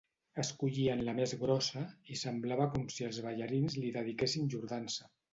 Escollien la més grossa i semblava com si els ballarins li dediquessin llur dansa.